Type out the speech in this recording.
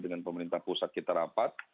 dengan pemerintah pusat kita rapat